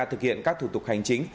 thực hiện các thủ tục hành chính